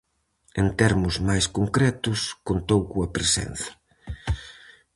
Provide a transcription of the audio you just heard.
En termos máis concretos, contou coa presenza.